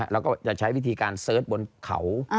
แล้วก็จะใช้วิธีการเสิร์ชบนเขา